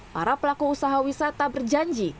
para pelaku usaha wisata berjanji